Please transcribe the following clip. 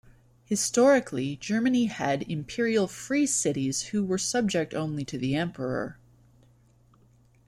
Historically, Germany had Imperial Free Cities, who were subject only to the Emperor.